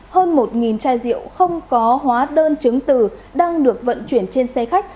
hơn một chai rượu không có hóa đơn chứng từ đang được vận chuyển trên xe khách